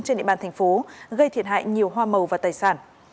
trên địa bàn thành phố gây thiệt hại nhiều hoa màu và tài sản